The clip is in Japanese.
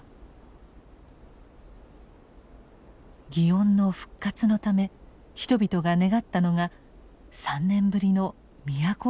祇園の復活のため人々が願ったのが３年ぶりの「都をどり」でした。